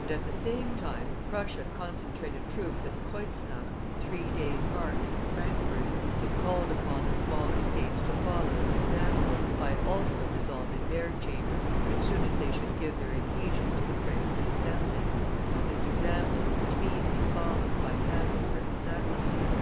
And at the same time Prussia concentrated troops at Kreuznach, three days' march from Frankfort, and called upon the smaller States to follow its example, by also dissolving their Chambers as soon as they should give their adhesion to the Frankfort Assembly. This example was speedily followed by Hanover and Saxony.